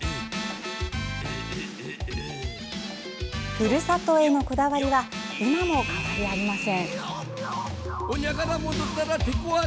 ふるさとへのこだわりは今も変わりありません。